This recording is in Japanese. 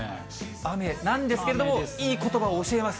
雨なんですけれども、いいことば教えます。